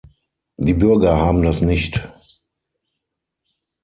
Die Bürger haben das nicht.